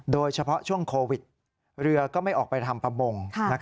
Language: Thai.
โดยเฉพาะช่วงโควิดเรือก็ไม่ออกไปทำประมง